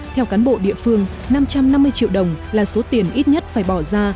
theo cán bộ địa phương năm trăm năm mươi triệu đồng là số tiền ít nhất phải bỏ ra